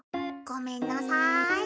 ごめんなさい。